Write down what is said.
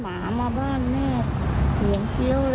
น้องน้องน้อง